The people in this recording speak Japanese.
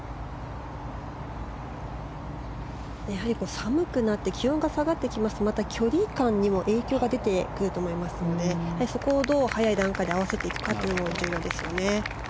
やはり寒くなって気温が下がってきますとまた距離感にも影響が出てくると思いますのでそこをどう早い段階で合わせていくかが重要ですね。